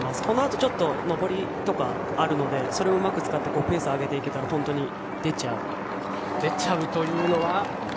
このあとちょっと上りとかあるのでそれをうまく使ってペース上げていけたら出ちゃうというのは？